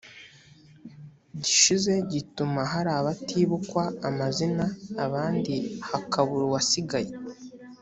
gishize gituma hari abatibukwa amazina ahandi hakabura uwasigaye